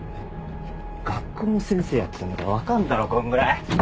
学校の先生やってたんだから分かんだろこんぐらい。